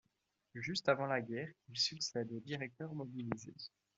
Juste avant la guerre il succède au directeur mobilisé.